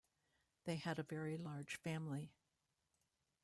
They had a very large family.